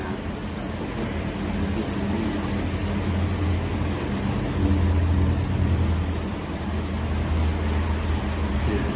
ไออาร์ด